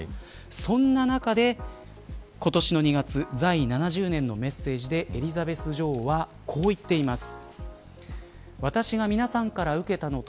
そんな中で、今年の２月在位７０年のメッセージでエリザベス女王はこう言っています。